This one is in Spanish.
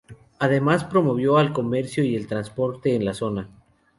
Además promovió el comercio y el transporte en la zona.